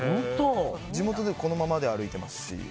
地元でもこのままで歩いてますし。